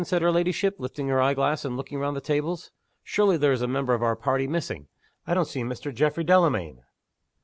said her ladyship, lifting her eye glass, and looking round the tables. "Surely there is a member of our party missing? I don't see Mr. Geoffrey Delamayn."